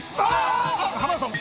浜田さん。